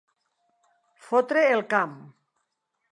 Fotre el camp.